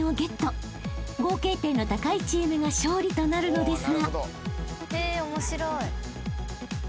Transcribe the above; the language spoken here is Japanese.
［合計点の高いチームが勝利となるのですが］